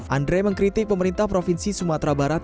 andre mengkritik pemerintah provinsi sumatera barat